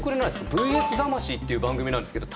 「ＶＳ魂」っていう番組なんですけど。